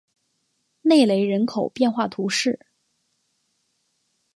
内雷人口变化图示